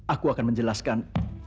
aku akan menjelaskan